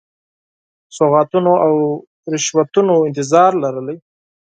سوغاتونو او رشوتونو انتظار درلود.